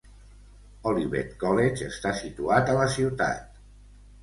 Olivet College està situat a la ciutat.